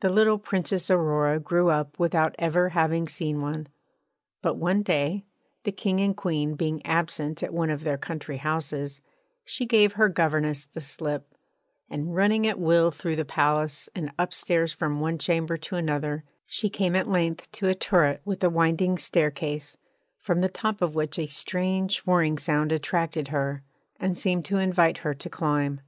The little Princess Aurora grew up without ever having seen one. But one day the King and Queen being absent at one of their country houses she gave her governess the slip, and running at will through the palace and upstairs from one chamber to another, she came at length to a turret with a winding staircase, from the top of which a strange whirring sound attracted her and seemed to invite her to climb.